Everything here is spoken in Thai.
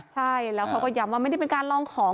ใช่แล้วเขาก็ย้ำว่าไม่ได้เป็นการลองของ